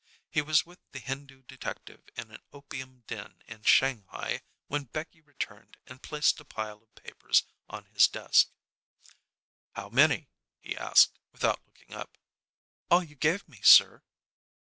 He was with the Hindu detective in an opium den in Shanghai when Becky returned and placed a pile of papers on his desk. "How many?" he asked, without looking up. "All you gave me, sir."